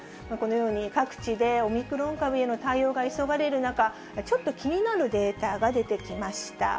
このように、各地でオミクロン株への対応が急がれる中、ちょっと気になるデータが出てきました。